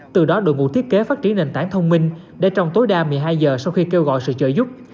từ đó đội ngũ thiết kế phát triển nền tảng thông minh để trong tối đa một mươi hai giờ sau khi kêu gọi sự trợ giúp